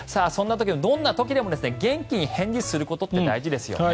どんな時でも元気に返事することが大事ですよね。